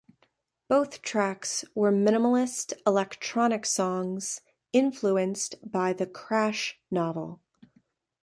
Both tracks were minimalist electronic songs influenced by the "Crash" novel.